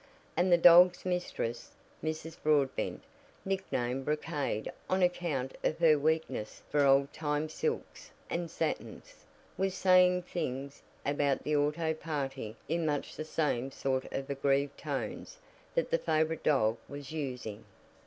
And the dog's mistress, Mrs. Broadbent, nicknamed "Brocade" on account of her weakness for old time silks and satins, was saying things about the auto party in much the same sort of aggrieved tones that the favorite dog was using.